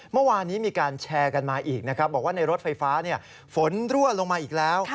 เมื่อวานนี้มีการแชร์กันมาอีกนะครับบอกว่าในรถไฟฟ้าฝนรั่วลงมาอีกแล้ว